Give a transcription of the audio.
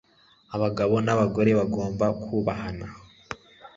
Abagabo nabagore bagomba kubahana